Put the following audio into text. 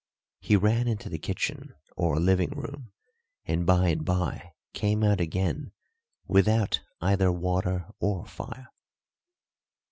He ran into the kitchen, or living room, and by and by came out again without either water or fire.